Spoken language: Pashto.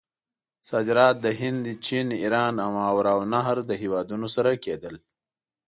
صادرات له هند، چین، ایران او ماورأ النهر له هیوادونو سره کېدل.